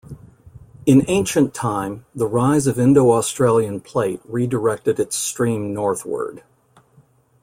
In ancient time, the rise of Indo-Australian Plate redirected its stream northward.